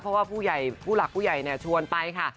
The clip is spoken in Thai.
เพราะว่าผู้หลักผู้ใหญ่ชวนไปค่ะ